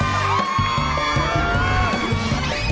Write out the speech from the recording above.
สวัสดีครับ